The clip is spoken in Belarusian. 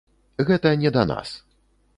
Гэта не да нас.